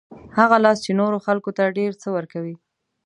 هغه لاس چې نورو خلکو ته ډېر څه ورکوي.